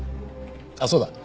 あっそうだ。